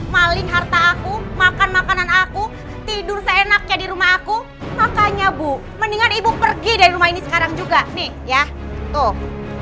maling harta aku makan makanan aku tidur seenaknya di rumah aku makanya bu mendingan ibu pergi dari rumah ini sekarang juga nih ya tuh